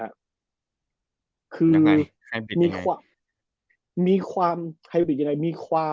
ยังไงไฮบริดยังไง